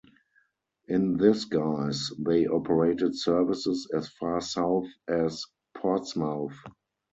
In this guise they operated services as far south as Portsmouth.